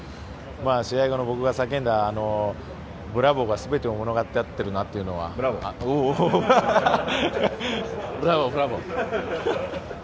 試合後の僕が叫んだブラボーが全てを物語ってるなっていうおお、ブラボー、ブラボー。